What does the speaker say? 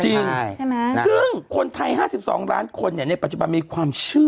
ใช่ไหมซึ่งคนไทยห้าสิบสองล้านคนเนี้ยในปัจจุบันมีความเชื่อฮะ